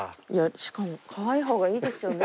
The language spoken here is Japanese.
しかもカワイイ方がいいですよね。